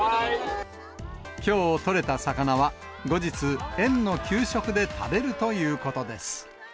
きょう取れた魚は、後日、園の給食で食べるということです。